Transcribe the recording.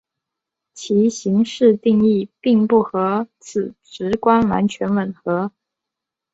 其形式定义并不和此直观完全吻合。